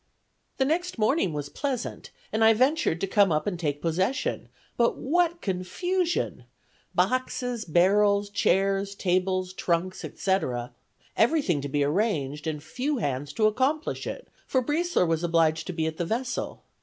"The next morning was pleasant, and I ventured to come up and take possession; but what confusion! Boxes, barrels, chairs, tables, trunks, etc.; every thing to be arranged, and few hands to accomplish it, for Briesler was obliged to be at the vessel.